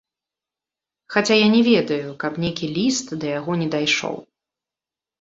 Хаця я не ведаю, каб нейкі ліст да яго не дайшоў.